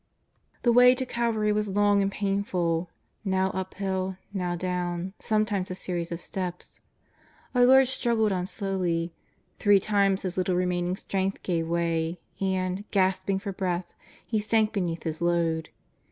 The way to Calvary was long and painful, now up hill, now down, sometimes a series of steps. Our Lord struggled on slowly; three times His little remaining strength gave way, and, gasping for breath, He sank beneath His load.